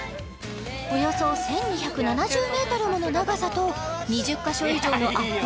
およそ１２７０メートルもの長さと２０カ所以上のアップ